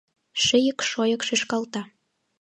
Шийык-шойик шӱшкалта.